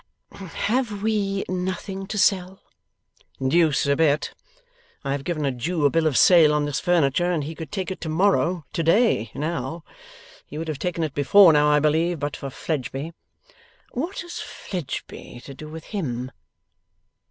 'Have we nothing to sell?' 'Deuce a bit. I have given a Jew a bill of sale on this furniture, and he could take it to morrow, to day, now. He would have taken it before now, I believe, but for Fledgeby.' 'What has Fledgeby to do with him?